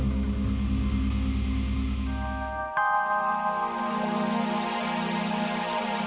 mas ini dia mas